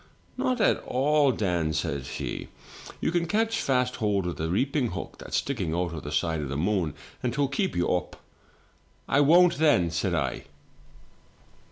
'" 'Not at all, Dan,' says he; 'you can catch fast hold of the reaping hook that's sticking out of the side of the moon, and 'twill keep you up.' "'I won't then,' said I.